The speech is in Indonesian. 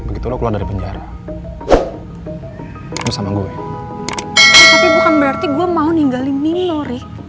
bukan berarti gue mau tinggalin nino ri